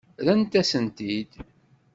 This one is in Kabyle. Rrant-asen-t-id.